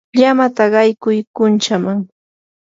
llamata qaykuy kunchaman.